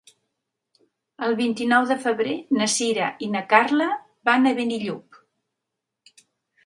El vint-i-nou de febrer na Sira i na Carla van a Benillup.